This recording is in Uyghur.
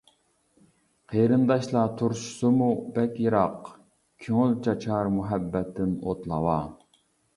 قېرىنداشلار تۇرۇشسىمۇ بەك يىراق، كۆڭۈل چاچار مۇھەببەتتىن ئوت-لاۋا.